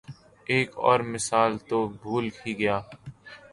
ایک اور مثال تو بھول ہی گیا۔